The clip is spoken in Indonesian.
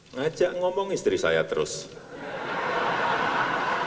khususnya reale craybing bendeng denggistraro yaata share it all like k padres